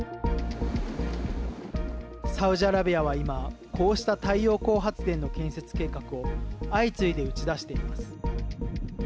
サウジアラビアは、今こうした太陽光発電の建設計画を相次いで打ち出しています。